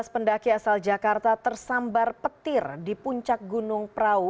lima belas pendaki asal jakarta tersambar petir di puncak gunung prau